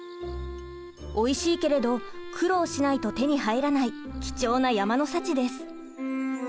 おいしいけれど苦労しないと手に入らない貴重な山の幸です。